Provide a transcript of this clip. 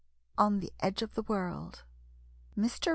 ON THE EDGE OF THE WORLD MR.